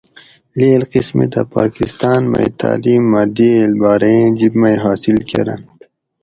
لیڷ قسمِتہ پاکستاۤن مئ تالیم مۤہ دِیٔل بارائ ایں جِب مئ حاصل کۤرنت۔